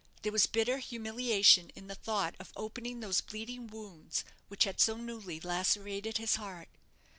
There was bitter humiliation in the thought of opening those bleeding wounds which had so newly lacerated his heart.